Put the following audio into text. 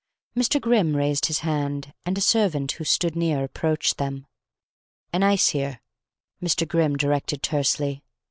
Mr. Grimm raised his hand, and a servant who stood near, approached them. "An ice here," Mr. Grimm directed tersely.